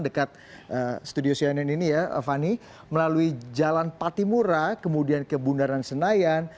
dekat studio cnn ini ya fani melalui jalan patimura kemudian ke bundaran senayan